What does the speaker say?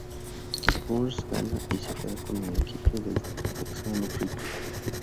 Burns gana y se queda con el equipo del Texano Rico.